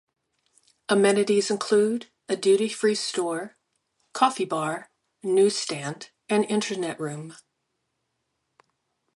Amenities include a duty-free store, coffee bar, newsstand and Internet room.